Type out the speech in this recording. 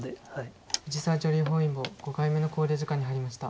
藤沢女流本因坊５回目の考慮時間に入りました。